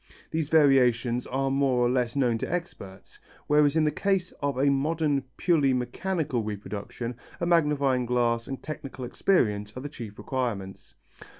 These variations are more or less known to experts, whereas in the case of a modern purely mechanical reproduction, a magnifying glass and technical experience are the chief requirements.